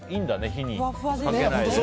火にかけないでね。